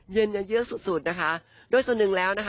เย็นเยอะสุดสุดนะคะโดยส่วนหนึ่งแล้วนะคะ